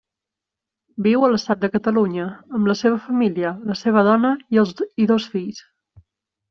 Viu a l'estat de Catalunya, amb la seva família, la seva dona i dos fills.